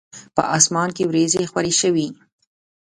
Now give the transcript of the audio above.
په اسمان کې وریځي خوری شوی